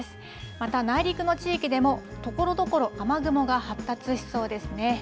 また、内陸の地域でも、ところどころ雨雲が発達しそうですね。